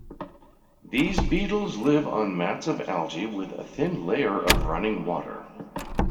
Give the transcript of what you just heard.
These beetles live on mats of algae with a thin layer of running water.